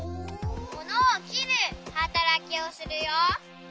ものをきるはたらきをするよ。